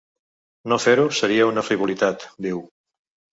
No fer-ho ‘seria una frivolitat’, diu.